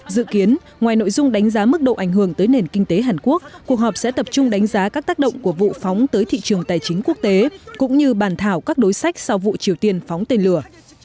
dự kiến ngoài nội dung đánh giá mức độ ảnh hưởng tới nền kinh tế hàn quốc cuộc họp sẽ tập trung đánh giá các tác động của vụ phóng tới thị trường tài chính quốc tế cũng như bàn thảo các đối sách sau vụ triều tiên phóng tên lửa